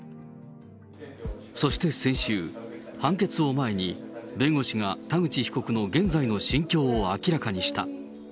そして先週、判決を前に、弁護士が田口被告の現在の心境を明らかにした。